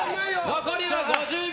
残りは５０秒。